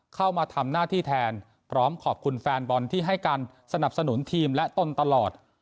เข้ามาทำหน้าที่แทนพร้อมขอบคุณแฟนบอลที่ให้การสนับสนุนทีมและตนตลอด